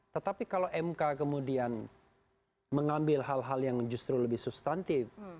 tetapi kalau mk kemudian mengambil hal hal yang justru lebih substantif